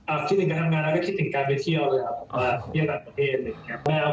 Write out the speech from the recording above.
อ่ะคิดถึงการทำงานแล้วก็คิดถึงการไปเที่ยวเลยครับอ่าพี่แบบประเทศอย่างนี้ครับ